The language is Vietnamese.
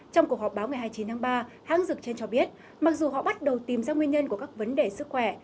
trong cuộc họp báo ngày hai mươi chín tháng ba hãng dược trên cho biết mặc dù họ bắt đầu tìm ra nguyên nhân của các vấn đề sức khỏe